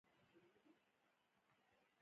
افغانستان په سیندونه غني دی.